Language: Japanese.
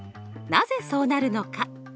なぜそうなるのか？